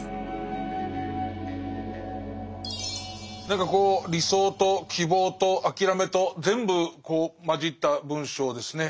何かこう理想と希望と諦めと全部こう混じった文章ですね。